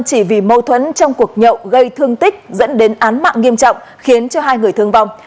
chỉ vì mâu thuẫn trong cuộc nhậu gây thương tích dẫn đến án mạng nghiêm trọng khiến hai người thương vong